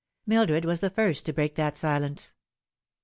Mildred was the first to break that silence.